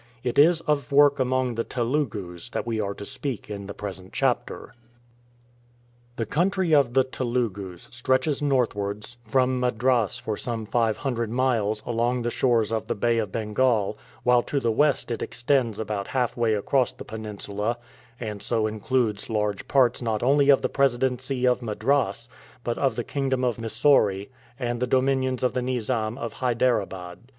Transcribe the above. It is of work among the Telugus that we are to speak in the present chapter. The country of the Telugus stretches northwards from c 33 Dll. JACOB CHAMBERLAIN Madras for some five hundred miles along the shores of the Bay of Bengal, while to the west it extends about half way across the peninsula, and so includes large parts not only of the Presidency of Madras, but of the kingdom of Mysore and the dominions of the Nizam of Hyderabad.